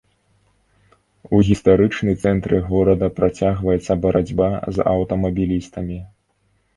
У гістарычны цэнтры горада працягваецца барацьба з аўтамабілістамі.